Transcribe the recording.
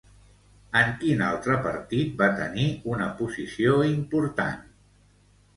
En quin altre partit va tenir una posició important?